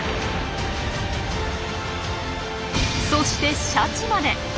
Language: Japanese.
そしてシャチまで。